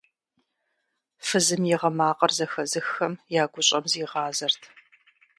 Фызым и гъы макъыр зэхэзыххэм я гущӀэм зигъазэрт.